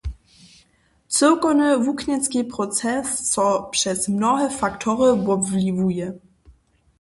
Cyłkowny wuknjenski proces so přez mnohe faktory wobwliwuje.